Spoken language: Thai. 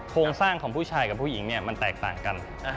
โครงสร้างของผู้ชายกับผู้หญิงเนี่ยมันแตกต่างกัน